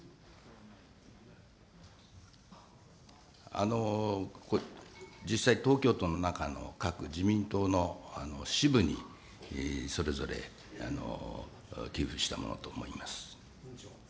あの、実際、東京都の中の各自民党の支部にそれぞれ寄付したものと思います。